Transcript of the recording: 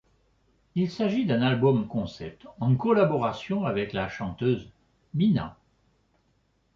Il s'agit d'un album-concept en collaboration avec la chanteuse Mina.